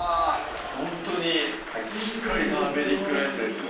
ほんとにしっかりターメリックライスですね